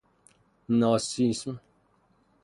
ناسیسم